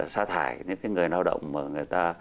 xa thải những người lao động mà người ta